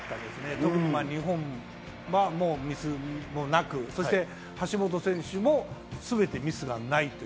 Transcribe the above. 特に日本はミスもなく、橋本選手も全てミスがない。